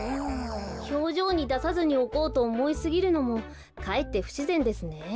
ひょうじょうにださずにおこうとおもいすぎるのもかえってふしぜんですね。